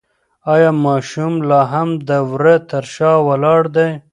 ایا ماشوم لا هم د وره تر شا ولاړ دی؟